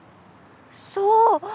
そう！